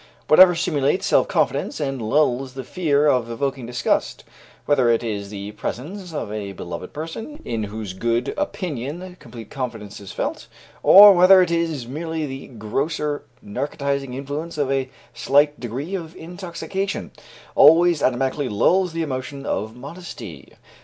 Whatever stimulates self confidence and lulls the fear of evoking disgust whether it is the presence of a beloved person in whose good opinion complete confidence is felt, or whether it is merely the grosser narcotizing influence of a slight degree of intoxication always automatically lulls the emotion of modesty.